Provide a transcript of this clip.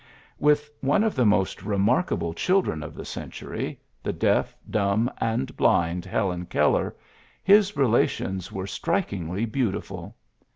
With one of the most remarkable children of the century, the PHILLIPS BEOOKS 93 deaf, dumb, and blind Helen Keller, his relations were strikingly beautiful.